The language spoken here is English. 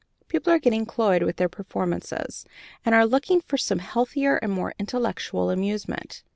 People are getting cloyed with these performances, and are looking for some healthier and more intellectual amusement.